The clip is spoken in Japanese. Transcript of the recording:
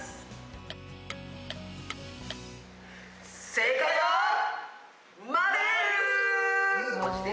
正解は丸！